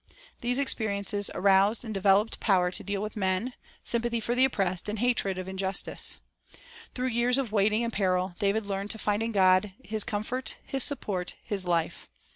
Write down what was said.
These experiences aroused and developed power to deal with men, sympathy for the oppressed, and hatred of injustice. Through years of waiting and peril, David learned to find in God his comfort, his support, his life.